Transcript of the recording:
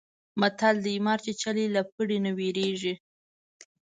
متل دی: مار چیچلی له پړي نه وېرېږي.